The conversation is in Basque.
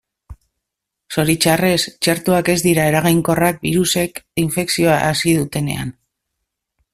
Zoritxarrez, txertoak ez dira eraginkorrak birusek infekzioa hasi dutenean.